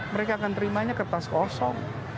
mereka akan terimanya kertas kosong